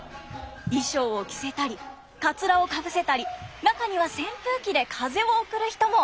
衣裳を着せたりかつらをかぶせたり中には扇風機で風を送る人も！